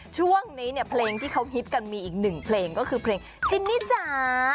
ช่วงนี้เนี่ยเพลงที่เขาฮิตกันมีอีกหนึ่งเพลงก็คือเพลงจินนี่จ๋า